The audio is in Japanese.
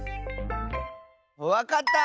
わかった！